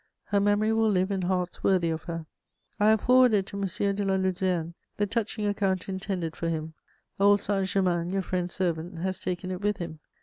Her memory will live in hearts worthy of her. I have forwarded to M. de La Luzerne the touching account intended for him. Old Saint Germain, your friend's servant, has taken it with him.